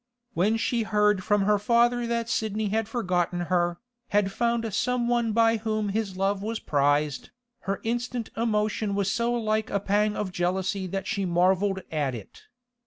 When she heard from her father that Sidney had forgotten her, had found some one by whom his love was prized, her instant emotion was so like a pang of jealousy that she marvelled at it.